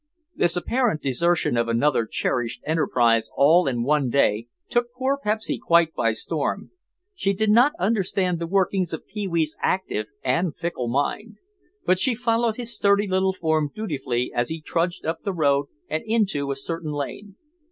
This apparent desertion of another cherished enterprise all in the one day, took poor Pepsy quite by storm. She did not understand the workings of Pee wee's active and fickle mind. But she followed his sturdy little form dutifully as he trudged up the road and into a certain lane.